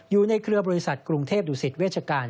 เครือบริษัทกรุงเทพดุสิตเวชการ